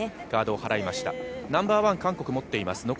ガードを払いました、ナンバーワン、韓国が持っています。